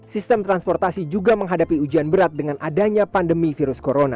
sistem transportasi juga menghadapi ujian berat dengan adanya pandemi virus corona